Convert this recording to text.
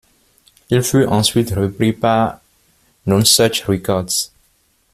Il fut ensuite repris par Nonesuch Records.